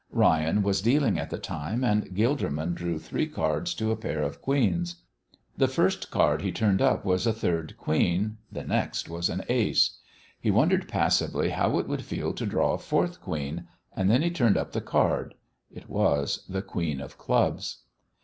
Ryan was dealing at the time, and Gilderman drew three cards to a pair of queens. The first card he turned up was a third queen, the next was an ace. He wondered passively how it would feel to draw a fourth queen, and then he turned up the card. It was the queen of clubs.